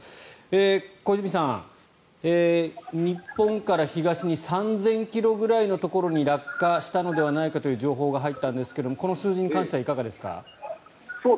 小泉さん、日本から東に３０００ｋｍぐらいのところに落下したのではないかという情報が入ったんですがこの数字に関してはいかがですか？